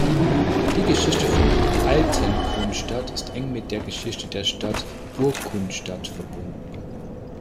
Die Geschichte von Altenkunstadt ist eng mit der Geschichte der Stadt Burgkunstadt verbunden.